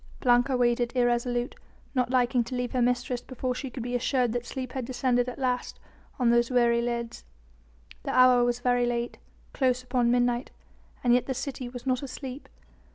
Blanca waited irresolute, not liking to leave her mistress before she could be assured that sleep had descended at last on those weary lids. The hour was very late, close upon midnight, and yet the city was not asleep.